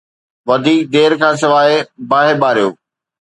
وڌيڪ دير کان سواءِ باهه ٻاريو.